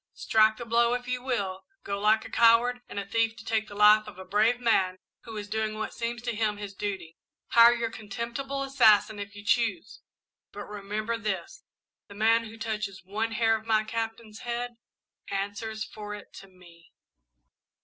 Strike the blow if you will go like a coward and a thief to take the life of a brave man, who is doing what seems to him his duty hire your contemptible assassin if you choose, but remember this the man who touches one hair of my Captain's head, answers for it to me!"